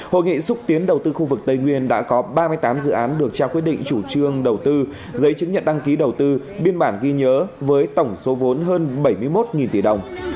hội nghị xúc tiến đầu tư khu vực tây nguyên đã có ba mươi tám dự án được trao quyết định chủ trương đầu tư giấy chứng nhận đăng ký đầu tư biên bản ghi nhớ với tổng số vốn hơn bảy mươi một tỷ đồng